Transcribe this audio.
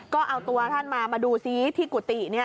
ก็เอาตัวท่านมามาดูซิที่กุฏิ